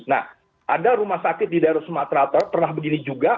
nah ada rumah sakit di daerah sumatera pernah begini juga